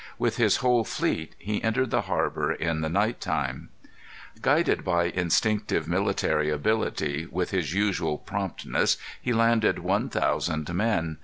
With his whole fleet he entered the harbor in the night time. Guided by instinctive military ability, with his usual promptness he landed one thousand men.